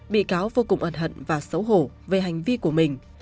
bị cáo vô cùng ẩn hận và xấu hổ về hành vi của mình